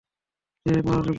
সে মরার যোগ্য ছিল।